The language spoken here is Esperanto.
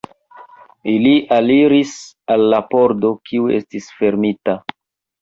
Ili aliris al la pordo, kiu estis fermita.